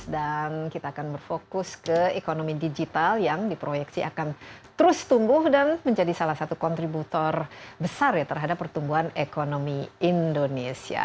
dan kita akan berfokus ke ekonomi digital yang diproyeksi akan terus tumbuh dan menjadi salah satu kontributor besar ya terhadap pertumbuhan ekonomi indonesia